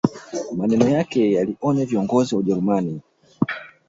Maneno yake yalionya viongozi wa ujerumani